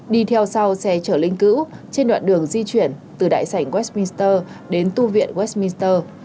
đi theo sau xe trở linh cữu trên đoạn đường di chuyển từ đại sảnh westminster đến tư viện westminster